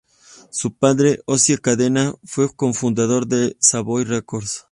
Su padre, Ozzie Cadena, fue co-fundador de Savoy Records.